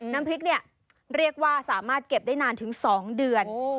น้ำพริกเนี่ยเรียกว่าสามารถเก็บได้นานถึง๒เดือน